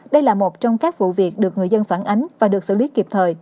đây là một trong các vụ việc được người dân phản ánh và được xử lý kịp thời